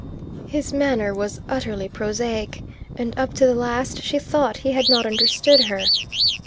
His manner was utterly prosaic, and up to the last she thought he had not understood her.